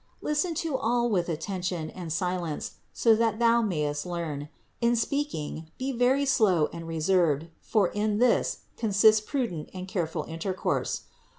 Listen to all with attention and silence so that thou mayest learn ; in speaking be very slow and reserved, for in this consist prudent and care ful intercourse.